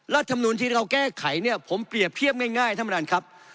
รัฐมนุนที่เราแก้ไขเนี่ยผมเปรียบเทียบง่ายท่านประธานครับ